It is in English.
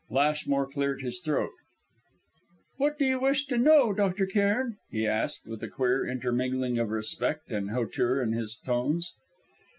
Lashmore cleared his throat. "What do you wish to know, Dr. Cairn?" he asked, with a queer intermingling of respect and hauteur in his tones.